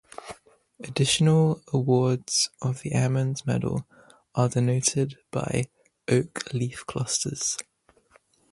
Additional awards of the Airman's Medal are denoted by oak leaf clusters.